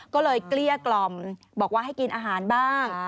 ก็เลยเกลี้ยกล่อมบอกว่าให้กินอาหารบ้าง